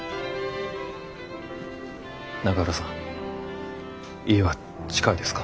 永浦さん家は近いですか？